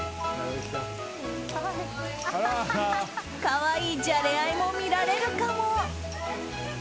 可愛いじゃれ合いも見られるかも。